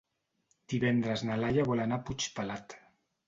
Divendres na Laia vol anar a Puigpelat.